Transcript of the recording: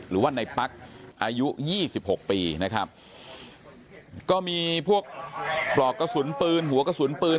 หรือว่าในปั๊กอายุยี่สิบหกปีนะครับก็มีพวกปลอกกระสุนปืนหัวกระสุนปืน